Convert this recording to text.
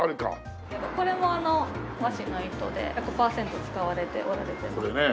これも和紙の糸で１００パーセント使われて織られてます。